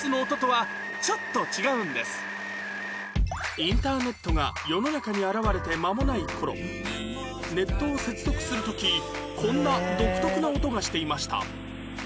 インターネットが世の中に現れて間もない頃ネットを接続する時こんな独特な音がしていました